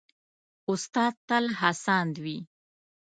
استاد تل هڅاند وي.